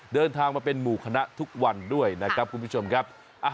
เดินทางมาเป็นหมู่คณะทุกวันด้วยนะครับคุณผู้ชมครับ